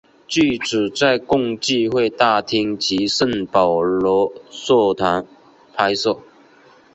剧组在共济会大厅及圣保罗座堂拍摄。